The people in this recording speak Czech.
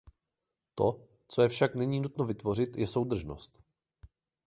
To, co je však nyní nutno vytvořit, je soudržnost.